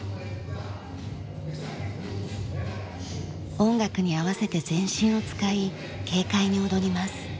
音楽に合わせて全身を使い軽快に踊ります。